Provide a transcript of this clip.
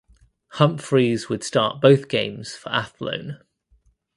Humphries would start both games for Athlone.